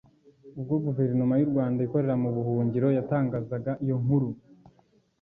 ubwo Guverinoma y’u Rwanda ikorera mu buhungiro yatangazaga iyo nkuru